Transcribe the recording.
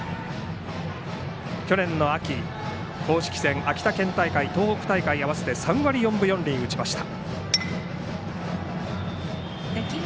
去年秋、公式戦の秋田県大会そして東北大会と合わせて３割４分４厘打ちました。